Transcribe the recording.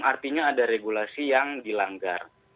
artinya ada regulasi yang dilanggar